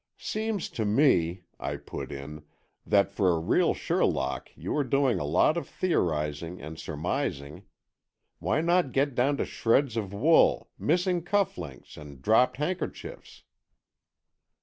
"Seems to me," I put in, "that for a real Sherlock you are doing a lot of theorizing and surmising. Why not get down to shreds of wool, missing cuff links and dropped handkerchiefs?"